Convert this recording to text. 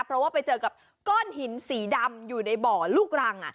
เพราะว่าไปเจอกับก้อนหินสีดำอยู่ในบ่อลูกรัง